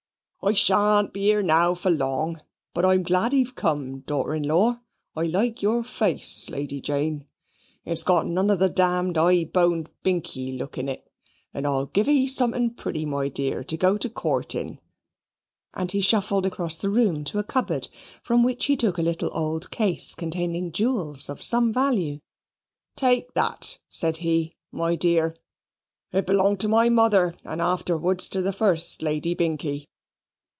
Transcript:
I shan't be here now for long; but I'm glad ee've come, daughter in law. I like your face, Lady Jane: it's got none of the damned high boned Binkie look in it; and I'll give ee something pretty, my dear, to go to Court in." And he shuffled across the room to a cupboard, from which he took a little old case containing jewels of some value. "Take that," said he, "my dear; it belonged to my mother, and afterwards to the first Lady Binkie.